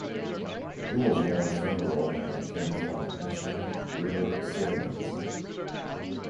It was more ephemeral and came from ancient river sediments.